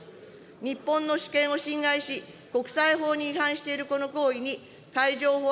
日本の主権を侵害し、国際法に違反しているこの行為に、海上保安